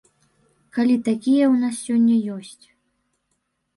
Калі такія ў нас сёння ёсць.